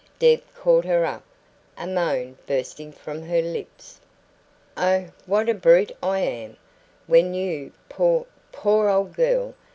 Deb caught her up, a moan bursting from her lips. "Oh, what a brute I am! when you poor, poor old girl!